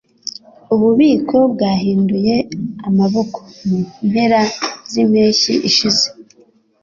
Ububiko bwahinduye amaboko mu mpera zimpeshyi ishize.